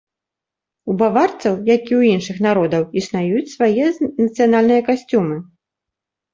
У баварцаў, як і ў іншых народаў, існуюць свае нацыянальныя касцюмы.